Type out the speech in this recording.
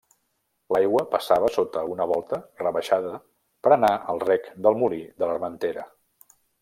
L'aigua passava sota una volta rebaixada per anar al rec del molí de l'Armentera.